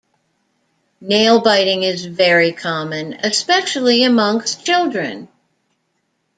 Nail biting is very common, especially amongst children.